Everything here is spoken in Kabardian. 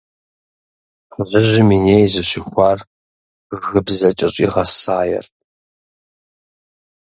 Фызыжьым и ней зыщыхуар гыбзэкӏэ щӏигъэсаерт.